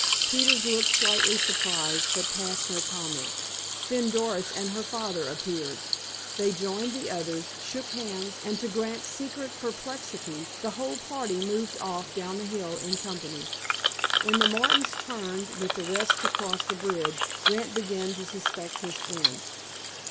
Peters looked slightly surprised, but passed no comment. Then Doris and her father appeared. They joined the others, shook hands, and, to Grant's secret perplexity, the whole party moved off down the hill in company. When the Martins turned with the rest to cross the bridge, Grant began to suspect his friend.